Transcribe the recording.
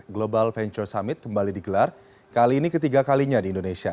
global venture summit kembali digelar kali ini ketiga kalinya di indonesia